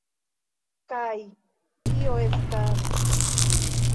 Kaj... kio estas...